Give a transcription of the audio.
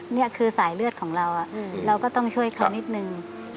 นี่คือสายเลือดของเราเราก็ต้องช่วยเขานิดนึง